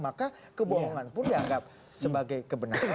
maka kebohongan pun dianggap sebagai kebenaran